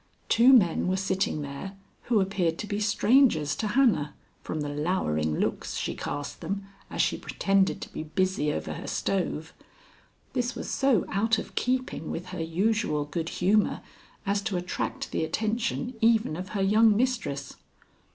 Two men were sitting there who appeared to be strangers to Hannah, from the lowering looks she cast them as she pretended to be busy over her stove. This was so out of keeping with her usual good humor as to attract the attention even of her young mistress.